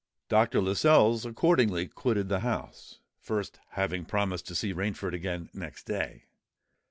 Dr. Lascelles accordingly quitted the house, first having promised to see Rainford again next day.